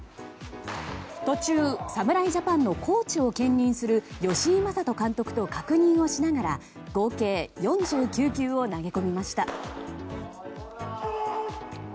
途中、侍ジャパンのコーチを兼任する吉井理人監督と確認をしながら合計４９球を投げ込みました。